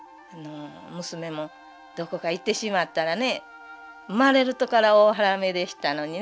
娘もどこか行ってしまったらね生まれた時から大原女でしたのにね